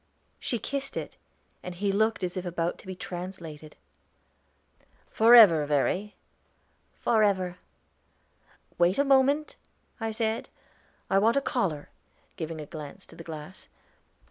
She kissed it, and he looked as if about to be translated. "Forever, Verry?" "Forever." "Wait a moment," I said, "I want a collar," giving a glance into the glass.